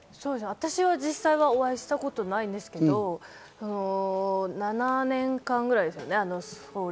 私は実際にお会いしたことないんですけど、７年間くらいですよね。